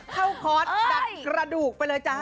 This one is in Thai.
คอร์สดัดกระดูกไปเลยจ้า